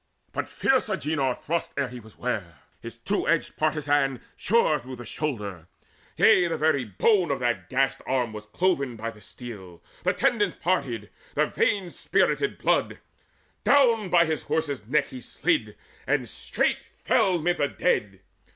But fierce Agenor thrust Ere he was ware; his two edged partizan Shore though his shoulder; yea, the very bone Of that gashed arm was cloven by the steel; The tendons parted, the veins spirted blood: Down by his horse's neck he slid, and straight Fell mid the dead.